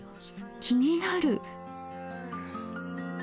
気になる。